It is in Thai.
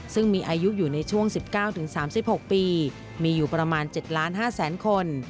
ซึ่งมีอายุอยู่ในช่วง๑๙๓๖ปีมีอยู่ประมาณ๗๕๐๐๐คน